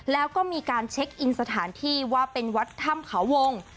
แล้วก็มีการเช็คอินสถานที่ว่าเป็นวัดถ้ำเขาวง